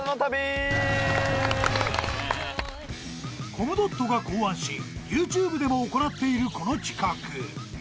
［コムドットが考案しＹｏｕＴｕｂｅでも行っているこの企画］